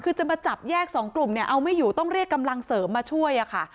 คือจะมาจับแยกสองกลุ่มเนี่ยเอาไม่อยู่ต้องเรียกกำลังเสริมมาช่วยอะค่ะ